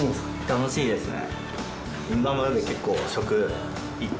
楽しいですね。